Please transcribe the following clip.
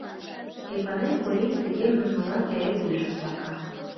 Эпанай Кори тыге манмылан эре вуйжым сака.